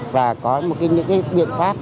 và có những cái biện pháp